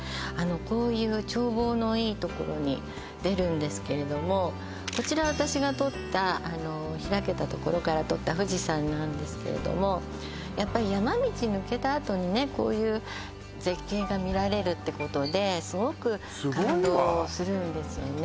こういう眺望のいいところに出るんですけれどもこちらは私が撮った開けたところから撮った富士山なんですけれどもやっぱり山道抜けたあとにねこういう絶景が見られるってことですごく感動するんですよね